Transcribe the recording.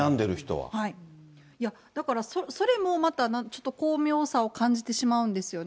いや、だから、それもまたちょっと巧妙さを感じてしまうんですよね。